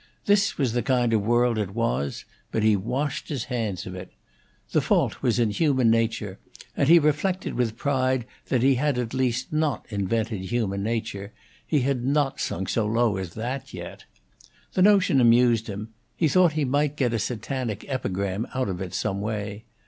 This was the kind of world it was; but he washed his hands of it. The fault was in human nature, and he reflected with pride that he had at least not invented human nature; he had not sunk so low as that yet. The notion amused him; he thought he might get a Satanic epigram out of it some way.